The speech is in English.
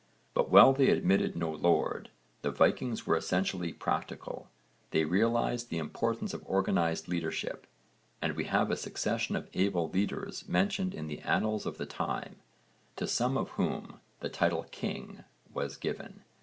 But while they admitted no lord, the Vikings were essentially practical; they realised the importance of organised leadership, and we have a succession of able leaders mentioned in the annals of the time, to some of whom the title king was given.